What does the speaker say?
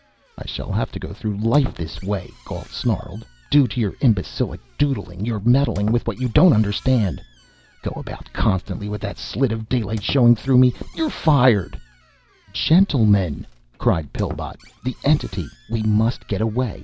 "I shall have to go through life this way," Gault snarled, "due to your imbecilic 'doodling', your meddling with what you don't understand. Go about constantly with a slit of daylight showing through me. You're fired!" "Gentlemen," cried Pillbot. "The entity we must get away.